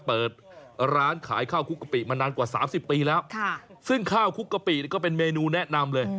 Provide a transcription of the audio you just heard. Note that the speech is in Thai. เปิดร้านขายข้าวคุกกะปิมานานกว่า๓๐ปีแล้วซึ่งข้าวคุกกะปิก็เป็นเมนูแนะนำเลย